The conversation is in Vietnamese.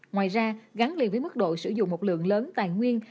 ngoài ra gắn liền với mức độ sử dụng một lượng lớn tài nguyên